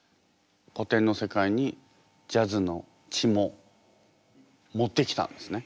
古典の世界にジャズの血も持ってきたんですね。